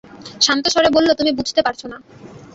শান্ত স্বরে বলল, তুমি বুঝতে পারছ না।